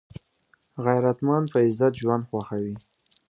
غیرتمند په عزت ژوند خوښوي